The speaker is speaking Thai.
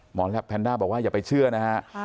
แพนด้าบอกว่าอย่าไปเชื่อนะฮะ